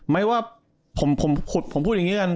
ไม่ว่าผมพูดอย่างนี้กัน